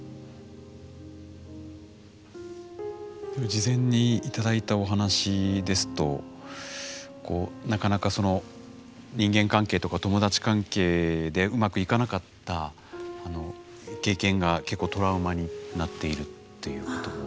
事前に頂いたお話ですとなかなか人間関係とか友達関係でうまくいかなかった経験が結構トラウマになっているということも。